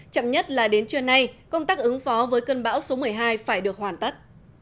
chậm nhất là đến trưa nay công tác ứng phó với cơn bão số một mươi hai phải được hoàn tất